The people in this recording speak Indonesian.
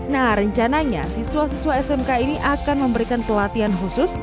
nah rencananya siswa siswa smk ini akan memberikan pelatihan khusus